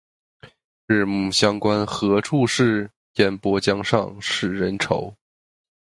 日暮乡关何处是？烟波江上使人愁。